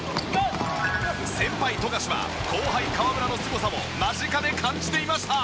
先輩富樫は後輩河村のすごさを間近で感じていました。